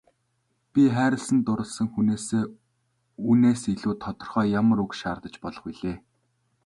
Би хайрлан дурласан хүнээсээ үүнээс илүү тодорхой ямар үг шаардаж болох билээ.